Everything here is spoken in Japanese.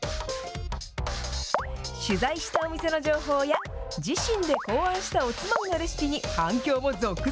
取材したお店の情報や、自身で考案したおつまみのレシピに、反響も続々。